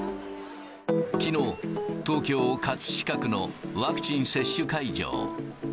きのう、東京・葛飾区のワクチン接種会場。